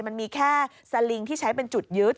มันมีแค่สลิงที่ใช้เป็นจุดยึด